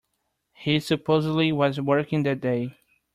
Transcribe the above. He supposedly was working that day.